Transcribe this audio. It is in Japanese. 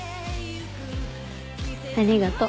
ありがとう。